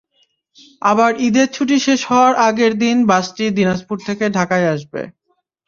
আবার ঈদের ছুটি শেষ হওয়ার আগের দিন বাসটি দিনাজপুর থেকে ঢাকায় আসবে।